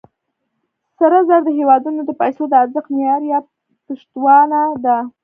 سره زر د هېوادونو د پیسو د ارزښت معیار یا پشتوانه ده.